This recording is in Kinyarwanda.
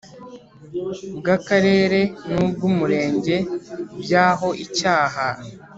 bw Akarere n ubw Umurenge by aho icyaha